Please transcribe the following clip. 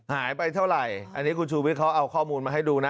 หายไปเท่าไหร่อันนี้คุณชูวิทย์เขาเอาข้อมูลมาให้ดูนะ